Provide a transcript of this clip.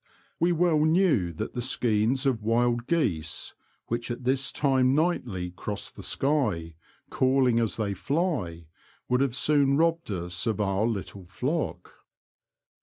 We well knew that the skeins of wild geese which at this time nightly cross the sky, calling as they fly, would soon have robbed us of our little flock.